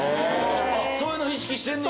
そういうの意識してんねや？